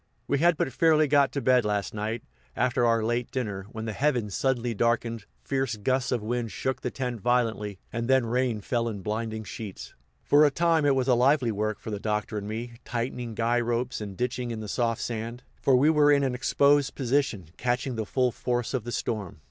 We had but fairly got to bed last night, after our late dinner, when the heavens suddenly darkened, fierce gusts of wind shook the tent violently, and then rain fell in blinding sheets. For a time it was lively work for the Doctor and me, tightening guy ropes and ditching in the soft sand, for we were in an exposed position, catching the full force of the storm.